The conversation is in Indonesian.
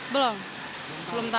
belum belum tahu